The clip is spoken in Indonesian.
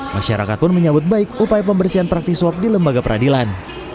masyarakat pun menyambut baik upaya pembersihan praktik swab di lembaga peradilan